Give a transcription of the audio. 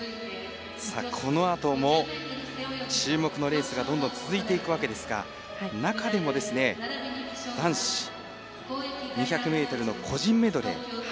このあとも注目のレースがどんどん続いていくわけですが中でも男子２００ｍの個人メドレー